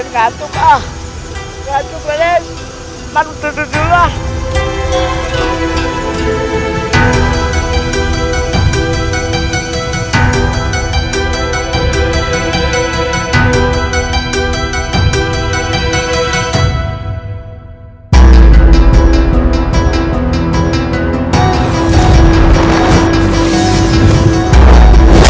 tidak ada tempat bersebergang